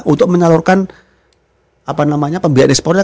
untuk menyalurkan pembiayaan ekspornya